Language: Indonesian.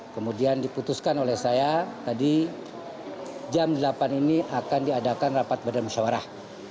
kemudian diputuskan oleh saya tadi jam delapan ini akan diadakan rapat badan musyawarah